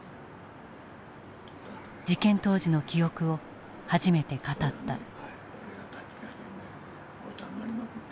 事件当時の記憶を初めて語った。